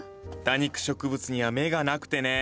多肉植物には目がなくてね。